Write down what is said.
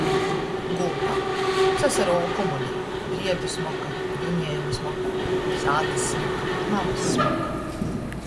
Gultā. Sasaruovu komulī, driebu smoka, duniejuma smoka, sātys smoka, mamys smoka.